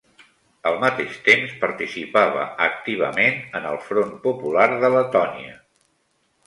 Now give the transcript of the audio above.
Al mateix temps, participava activament en el Front Popular de Letònia.